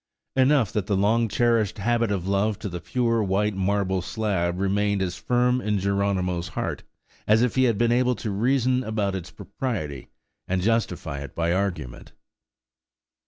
Enough that the long cherished habit of love to the pure white marble slab remained as firm in Geronimo's heart, as if he had been able to reason about its propriety, and justify it by argument.